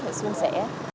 thì xuân sẽ